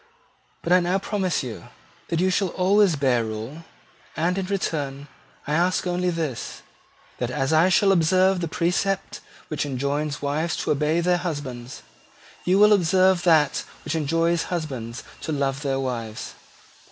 But I now promise you that you shall always bear rule: and, in return, I ask only this, that, as I shall observe the precept which enjoins wives to obey their husbands, you will observe that which enjoins husbands to love their wives."